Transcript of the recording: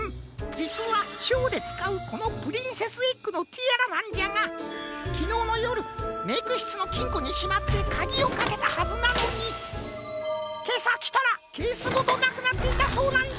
じつはショーでつかうこのプリンセスエッグのティアラなんじゃがきのうのよるメイクしつのきんこにしまってかぎをかけたはずなのにけさきたらケースごとなくなっていたそうなんじゃ。